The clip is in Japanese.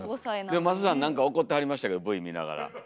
でもマサさん何か怒ってはりましたけどＶ見ながら。